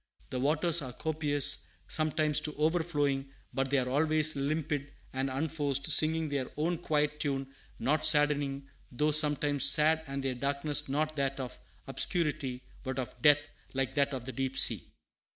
The waters are copious, sometimes to overflowing; but they are always limpid and unforced, singing their own quiet tune, not saddening, though sometimes sad, and their darkness not that of obscurity, but of depth, like that of the deep sea.